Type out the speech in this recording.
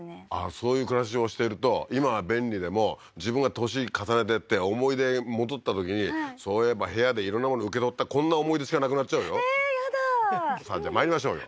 そういう暮らしをしていると今は便利でも自分が年重ねてって思い出戻ったときにそういえば部屋で色んなもの受け取ったこんな思い出しかなくなっちゃうよええーやださあじゃあまいりましょうよ